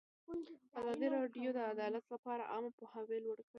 ازادي راډیو د عدالت لپاره عامه پوهاوي لوړ کړی.